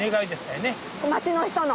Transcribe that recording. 町の人の？